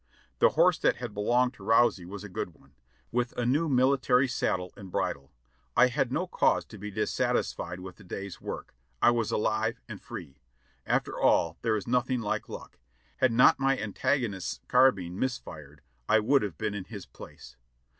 The horse that had belonged to Rouzie \\as a good one, with a new military saddle and bridle. I had no cause to be dissatis fied with the day's work — I was alive and free. After all, there is nothing like luck; had not my antagonist's carbine missed fire, I would have been in his place.